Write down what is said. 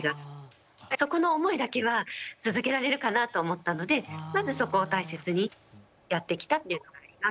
そこの思いだけは続けられるかなと思ったのでまずそこを大切にやってきたっていうのがあります。